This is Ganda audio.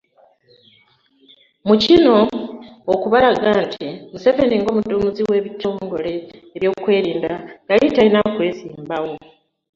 Mu kino okubalaga nti Museveni ng'omuduumizi w'ebitongole by'ebyokwerinda yali talina kwesimbawo